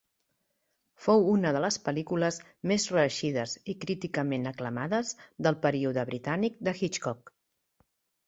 Fou una de les pel·lícules més reeixides i críticament aclamades del període britànic de Hitchcock.